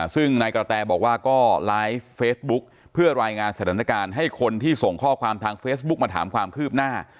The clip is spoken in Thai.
ซึ่งนายกระแตบอกว่าก็ไลฟ์เฟซบุ๊คเพื่อรายงานสถานการณ์ให้คนที่ส่งข้อความทางเฟซบุ๊กมาถามความคืบหน้า